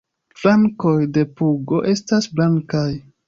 Flankoj de pugo estas blankaj.